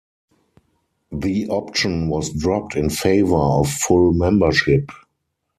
The option was dropped in favor of full membership.